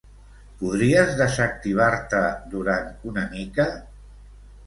Podries desactivar-te durant una mica?